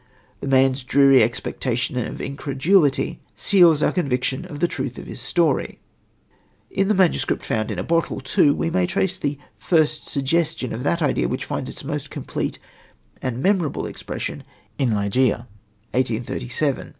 The man's dreary expectation of incredulity seals our conviction of the truth of his story. In The Manuscript Found in a Bottle, too, we may trace the first suggestion of that idea which finds its most complete and memorable expression in Ligeia (1837).